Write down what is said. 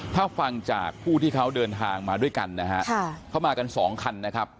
ถ้าฟังจากผู้ที่เขาเดินทางมาด้วยกันนะฮะเขามากันสองคันนะครับ